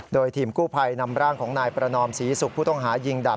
โดยทีมกู้ภัยนำร่างของนายประนอมศรีศุกร์ผู้ต้องหายิงดาบ